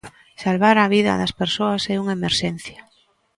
Salvar a vida das persoas é unha emerxencia.